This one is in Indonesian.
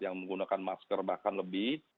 yang menggunakan masker bahkan lebih